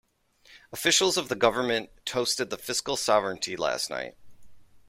Officials of the government toasted the fiscal sovereignty last night.